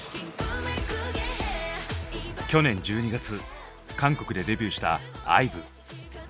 去年１２月韓国でデビューしたＩＶＥ。